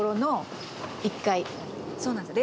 「そうなんですよ。